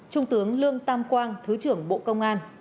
trung tướng lương tam quang thứ trưởng bộ công an